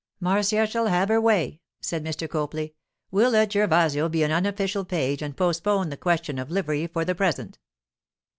'Marcia shall have her way,' said Mr. Copley. 'We'll let Gervasio be an unofficial page and postpone the question of livery for the present.